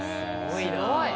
すごいな。